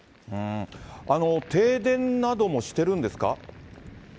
停電などもしてるんですか？